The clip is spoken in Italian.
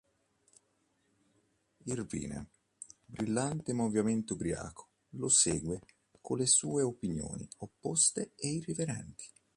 Irvine, brillante ma ovviamente ubriaco, lo segue con le sue opinioni opposte e irriverenti.